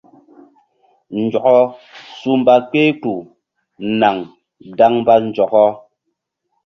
Nzɔkɔ su mba kpehkpuh naŋ gaŋ mba nzɔkɔ.